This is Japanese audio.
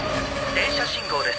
「停車信号です」